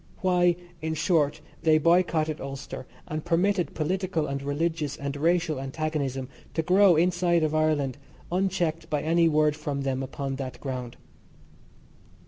Why, in short, they boycotted Ulster and permitted political and religious and racial antagonism to grow inside of Ireland unchecked by any word from them upon that ground.